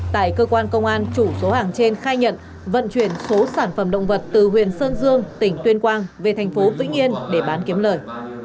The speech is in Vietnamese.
tại cơ quan công an chủ số hàng trên khai nhận vận chuyển số sản phẩm động vật từ huyện sơn dương tỉnh tuyên quang về thành phố vĩnh yên để bán kiếm lời